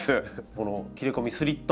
この切れ込みスリット。